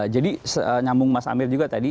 jadi nyambung mas amir juga tadi